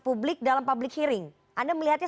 publik dalam public hearing anda melihatnya